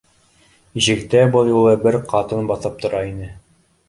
Ишектә был юлы бер ҡатын баҫып тора ине